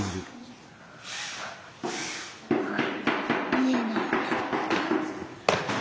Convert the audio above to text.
みえない。